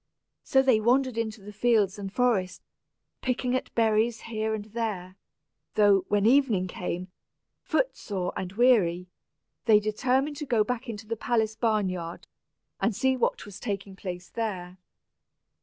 So they wandered into the fields and forest, picking at berries here and there; though, when evening came, footsore and weary, they determined to go back into the palace barn yard, and see what was taking place there.